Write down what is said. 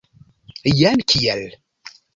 Jen kiel.